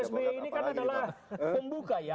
sby ini kan adalah pembuka ya